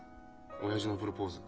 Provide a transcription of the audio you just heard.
親父のプロポーズ。